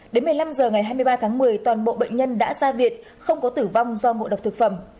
đến một mươi năm h ngày hai mươi ba tháng một mươi toàn bộ bệnh nhân đã ra viện không có tử vong do ngộ độc thực phẩm